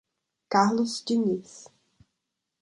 Carlos Dinis